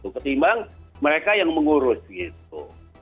ketimbang mereka yang mengurus gitu